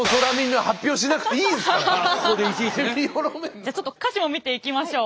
じゃあちょっと歌詞を見ていきましょう。